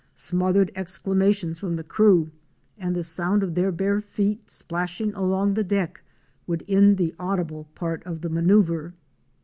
Smothered exclamations from the crew and the sound of their bare feet splashing along the deck would end the audible part of the manoeuvre.